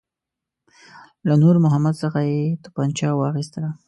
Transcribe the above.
له نور محمد څخه یې توپنچه واخیستله.